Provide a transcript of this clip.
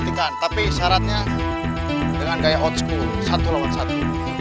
dikentikan tapi syaratnya dengan gaya old school satu lawan satu